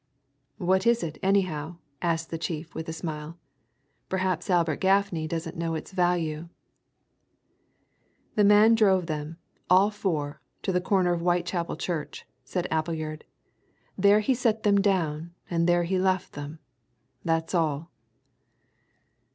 "What is it, anyhow?" asked the chief, with a smile. "Perhaps Albert Gaffney doesn't know its value." "The man drove them, all four, to the corner of Whitechapel Church," said Appleyard. "There he set them down, and there he left them. That's all."